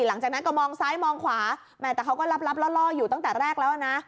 หลังจากนั้นก็มองซ้ายมองขวาแหมแต่เขาก็ลับล่ออยู่ตั้งแต่แรกแล้วนะ